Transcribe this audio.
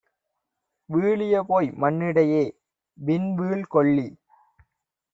வீழியபோய் மண்ணிடையே விண்வீழ் கொள்ளி